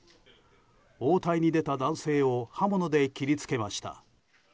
応対に出た男性を刃物で切り付けました。